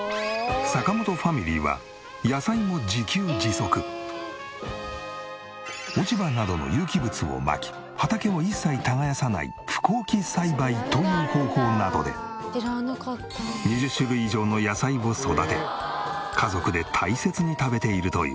坂本ファミリーは落ち葉などの有機物をまき畑を一切耕さない不耕起栽培という方法などで２０種類以上の野菜を育て家族で大切に食べているという。